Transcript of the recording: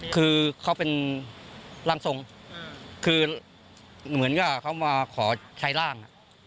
คือเขาเป็นร่างทรงคือเหมือนกับเขามาขอใช้ร่าง